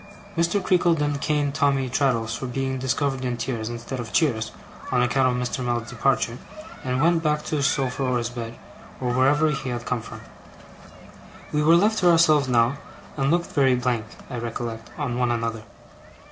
Mr. Creakle then caned Tommy Traddles for being discovered in tears, instead of cheers, on account of Mr. Mell's departure; and went back to his sofa, or his bed, or wherever he had come from. We were left to ourselves now, and looked very blank, I recollect, on one another.